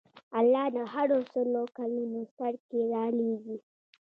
الله د هرو سلو کلونو سر کې رالېږي.